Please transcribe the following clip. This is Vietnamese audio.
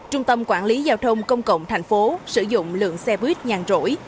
trung tâm quản lý giao thông công cộng tp hcm sử dụng lượng xe buýt nhàn rỗi